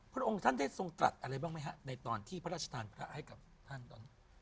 พระองค์ท่านได้ทรงตรัสอะไรบ้างไหมฮะในตอนที่พระราชทานพระให้กับท่านตอนนี้